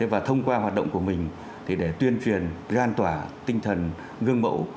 và thông qua hoạt động của mình để tuyên truyền lan tỏa tinh thần gương mẫu